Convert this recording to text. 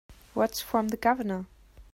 What's from the Governor?